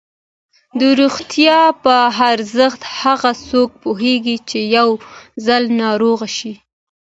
د روغتیا په ارزښت هغه څوک پوهېږي چې یو ځل ناروغ شي.